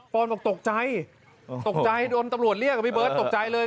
อนบอกตกใจตกใจโดนตำรวจเรียกพี่เบิร์ตตกใจเลย